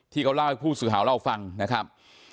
ที่เขาเล่าให้ผู้สื่อข่าวเราฟังนะครับ